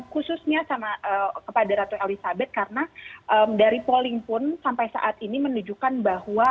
khususnya kepada ratu elizabeth karena dari polling pun sampai saat ini menunjukkan bahwa